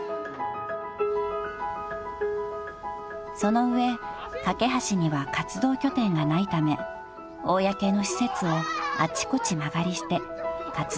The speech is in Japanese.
［その上かけはしには活動拠点がないため公の施設をあちこち間借りして活動を続けているのです］